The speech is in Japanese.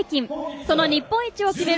その日本一を決める